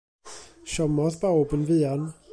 Siomodd bawb yn fuan.